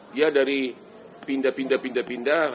dia dari pindah pindah